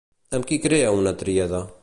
Amb qui crea una tríada?